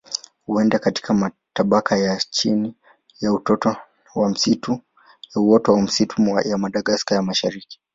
Huenda katika matabaka ya chini ya uoto wa misitu ya Madagaska ya Mashariki.